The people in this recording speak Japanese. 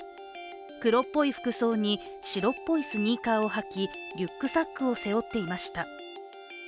黒っぽい服装に、白っぽいスニーカーを履きリュックサックを背負っていました。